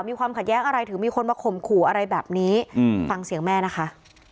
มีความขัดแย้งอะไรถึงมีคนมาข่มขู่อะไรแบบนี้ฟังเสียงแม่นะคะ